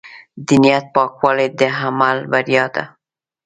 د نیت پاکوالی د عمل بریا ده.